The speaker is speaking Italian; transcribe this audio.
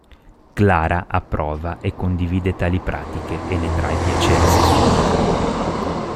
Clara approva e condivide tali pratiche e ne trae piacere sessuale.